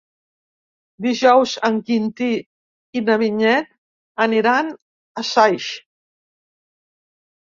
Dijous en Quintí i na Vinyet aniran a Saix.